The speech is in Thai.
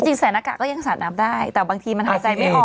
ใส่หน้ากากก็ยังสาดน้ำได้แต่บางทีมันหายใจไม่ออก